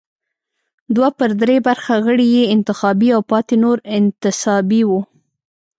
دوه پر درې برخه غړي یې انتخابي او پاتې نور انتصابي وو.